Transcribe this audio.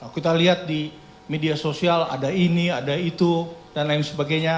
kita lihat di media sosial ada ini ada itu dan lain sebagainya